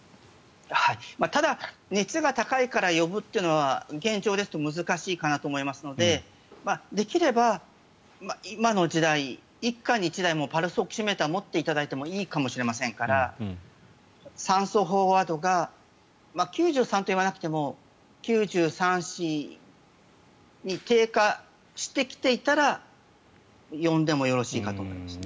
ただ熱が高いから呼ぶというのは現状ですと難しいかなと思いますのでできれば今の時代一家に１台パルスオキシメーターを持っていただいてもいいかもしれませんから酸素飽和度が９３％といわなくても９３％９４％に低下してきていたら呼んでもよろしいかと思います。